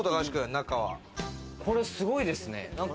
これ、すごいですね。